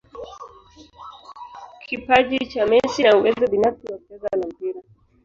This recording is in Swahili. kipaji cha Messi na uwezo binafsi wa kucheza na mpira